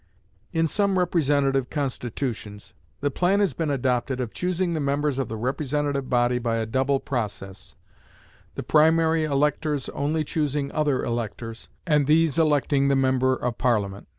In some representative constitutions, the plan has been adopted of choosing the members of the representative body by a double process, the primary electors only choosing other electors, and these electing the member of Parliament.